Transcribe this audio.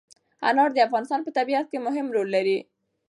انار د افغانستان په طبیعت کې مهم رول لري.